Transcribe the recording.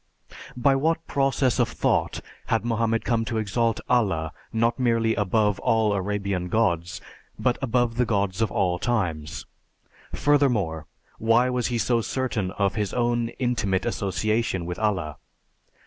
By what process of thought had Mohammed come to exalt Allah not merely above all Arabian gods, but above the gods of all times? Furthermore, why was he so certain of his own intimate association with Allah?